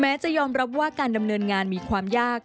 จะยอมรับว่าการดำเนินงานมีความยาก